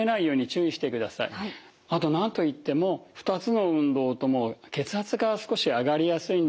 あと何と言っても２つの運動とも血圧が少し上がりやすいんです。